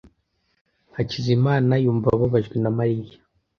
Hakizimana yumva ababajwe na Mariya.